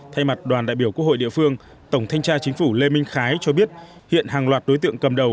thay mặt đoàn đại biểu quốc hội địa phương tổng thanh tra chính phủ lê minh khái cho biết hiện hàng loạt đối tượng cầm đầu